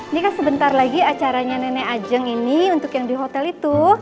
ini kan sebentar lagi acaranya nenek ajeng ini untuk yang di hotel itu